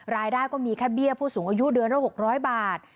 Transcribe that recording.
รายได้ก็มีแค่เบี้ยผู้สูงอายุเดือนละ๖๐๐บาท